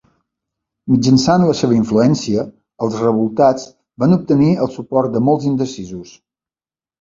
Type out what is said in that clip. Mitjançant la seva influència, els revoltats van obtenir el suport de molts indecisos.